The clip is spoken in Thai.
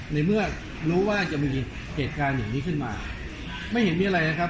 ในเมื่อรู้ว่าจะมีเหตุการณ์อย่างนี้ขึ้นมาไม่เห็นมีอะไรนะครับ